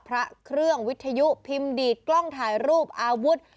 พระเครื่องวิทยุพิมพ์ดีดกล้องถ่ายรูปอาวุธ